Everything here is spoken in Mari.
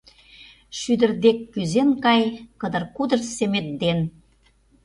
…Шӱдыр дек Кӱзен кай кыдыр-кудыр семет ден.